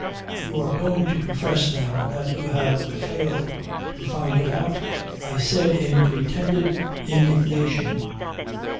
"You are going to confess now that you have failed to find it out," I said in pretended indignation.